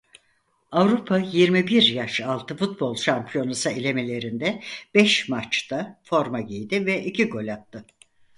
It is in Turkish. Avrupa yirmi bir Yaş Altı Futbol Şampiyonası Elemeleri'nde beş maçta forma giydi ve iki gol attı.